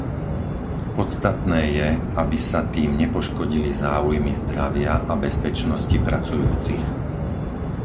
Podstatné je, aby sa tým nepoškodili záujmy zdravia a bezpečnosti pracujúcich.